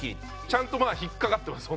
ちゃんとまあ引っかかってます